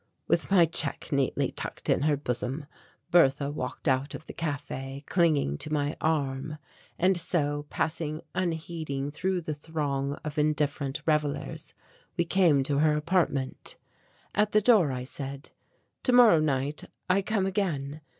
With my check neatly tucked in her bosom, Bertha walked out of the café clinging to my arm, and so, passing unheeding through the throng of indifferent revellers, we came to her apartment. At the door I said, "Tomorrow night I come again.